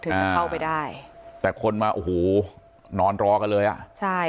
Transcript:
จะเข้าไปได้แต่คนมาโอ้โหนอนรอกันเลยอ่ะใช่